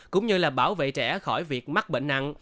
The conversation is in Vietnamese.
cũng như là bảo vệ trẻ khỏi việc mắc bệnh nặng